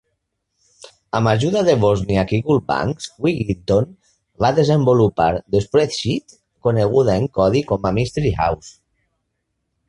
Amb l'ajuda de Wozniak i Gull Banks, Wigginton va desenvolupar "The Spreadsheet", coneguda en codi com "Mystery House".